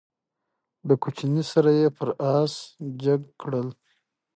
زما مورجانه دکوچنی سره یې پر آس جګ کړل،